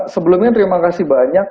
sebelumnya terima kasih banyak